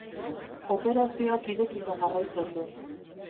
Operazioak irekita jarraitzen du.